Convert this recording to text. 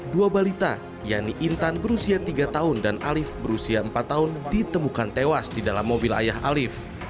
dua balita yani intan berusia tiga tahun dan alif berusia empat tahun ditemukan tewas di dalam mobil ayah alif